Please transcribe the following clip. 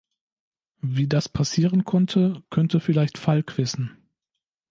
Wie das passieren konnte, könnte vielleicht Falk wissen.